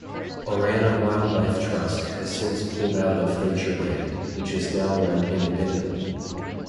Orana Wildlife trust have since pulled out of Natureland, which is now run independently.